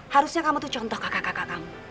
harusnya kamu tuh contoh kakak kakak kamu